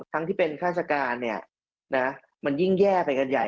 ทั้งที่เป็นฆาติการเนี่ยนะมันยิ่งแย่ไปกันใหญ่